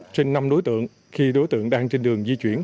trên năm đối tượng khi đối tượng đang trên đường di chuyển